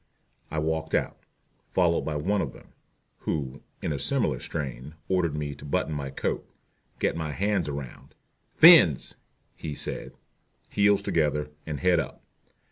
I walked out, followed by one of them, who, in a similar strain, ordered me to button my coat, get my hands around "fins" he said heels together, and head up.